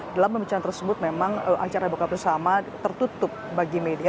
dalam pembicaraan tersebut memang acara buka bersama tertutup bagi media